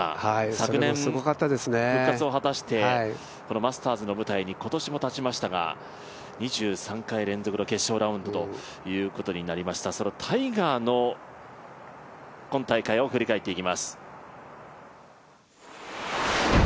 昨年復活を果たして、このマスターズの舞台に今年も立ちましたが２３回連続の決勝ラウンドということになりましたタイガーの今大会を振り返っていきます。